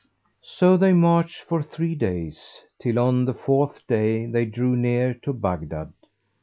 So they marched for three days, till, on the fourth day, they drew near to Baghdad.